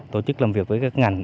tổ chức làm việc với các ngành